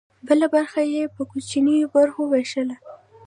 بله برخه به یې په کوچنیو برخو ویشله.